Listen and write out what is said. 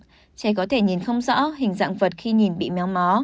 cháy có thể nhìn không rõ hình dạng vật khi nhìn bị méo mó